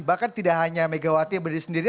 bahkan tidak hanya megawati yang berdiri sendiri